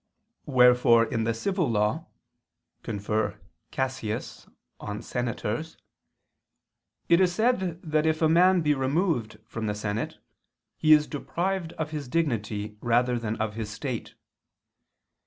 Wherefore in the civil law [*Dig. I, IX, De Senatoribus] (Lib. Cassius ff. De Senatoribus) it is said that if a man be removed from the senate, he is deprived of his dignity rather than of his state.